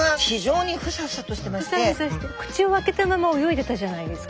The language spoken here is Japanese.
口を開けたまま泳いでたじゃないですか。